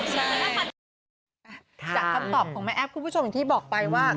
จากคำตอบของแม่แอ๊บคุณผู้ชมอย่างที่บอกไปว่า